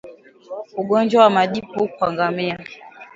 Ugonjwa wa majipu kwa Ngamia